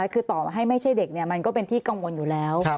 คือต่อมาให้ไม่ใช่เด็กมันก็เป็นที่กังวลอยู่แล้ว